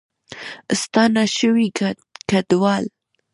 ستانه شوي کډوال